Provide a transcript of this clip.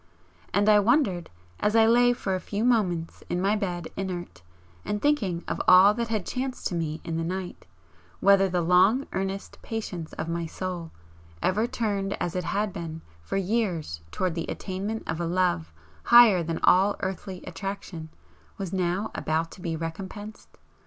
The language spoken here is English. And I wondered as I lay for a few moments in my bed inert, and thinking of all that had chanced to me in the night, whether the long earnest patience of my soul, ever turned as it had been for years towards the attainment of a love higher than all earthly attraction, was now about to be recompensed?